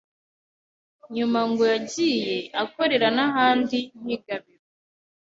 Nyuma ngo yagiye akorera n'ahandi nk'i Gabiro.